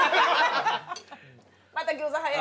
まだ餃子早い。